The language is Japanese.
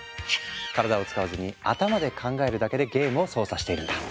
体を使わずに頭で考えるだけでゲームを操作しているんだ。